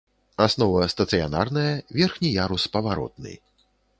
Аснова стацыянарная, верхні ярус паваротны.